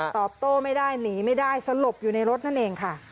ตอบโต้ไม่ได้หนีไม่ได้สลบอยู่ในรถนั่นเองค่ะ